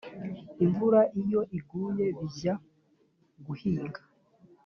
imvura iyo iguye bajya guhinga